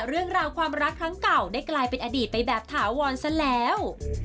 เรื่องราวความรักครั้งเก่าได้กลายเป็นอดีตไปแบบถาวรซะแล้ว